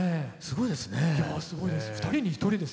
いやすごいです。